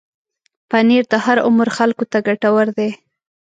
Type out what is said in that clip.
پنېر د هر عمر خلکو ته ګټور دی.